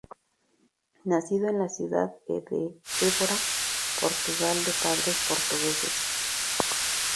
Nacido en la ciudad de Évora, Portugal de padres portugueses.